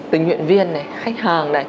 tình nguyện viên này khách hàng này